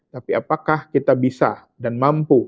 tapi apakah kita bisa dan mampu